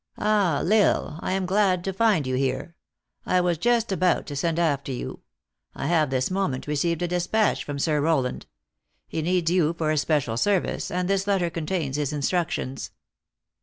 " Ah, L Isle, I am glad to find you here; I was just about to send after you. I have this moment received a dispatch from Sir Rowland. He needs you for a special service, and this letter contains his instructions."